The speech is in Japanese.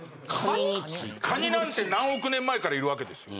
カニなんて何億年前からいる訳ですよ。